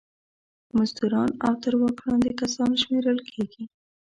مزدوران او تر واک لاندې کسان شمېرل کیږي.